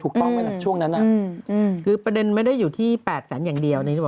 ถูกต้องไหมล่ะช่วงนั้นคือประเด็นไม่ได้อยู่ที่๘แสนอย่างเดียว